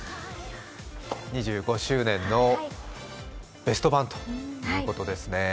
２５周年のベスト盤ということですね。